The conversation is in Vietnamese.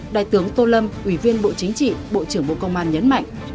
đại tướng tô lâm ủy viên bộ chính trị bộ trưởng bộ công an nhấn mạnh